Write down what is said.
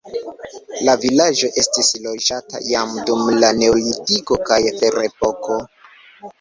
La vilaĝo estis loĝata jam dum la neolitiko kaj ferepoko.